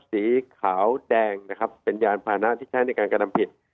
สีขาวแดงนะครับเป็นยานพานะที่ใช้ในการกระทำผิด